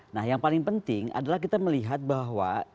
nah yang paling penting adalah kita melihat bahwa